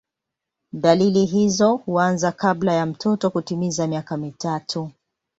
Dalili hizo huanza kabla ya mtoto kutimiza miaka mitatu.